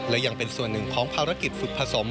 และยังเป็นส่วนหนึ่งของภารกิจฝึกผสม